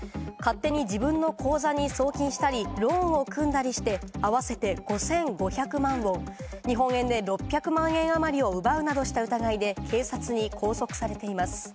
勝手に自分の口座に送金したり、ローンを組んだりして合わせて５５００万ウォン、日本円で６００万円あまりを奪うなどした疑いで警察に拘束されています。